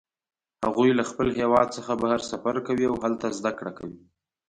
هغوی له خپل هیواد څخه بهر سفر کوي او هلته زده کړه کوي